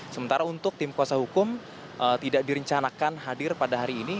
sementara untuk tim kuasa hukum tidak direncanakan hadir pada hari ini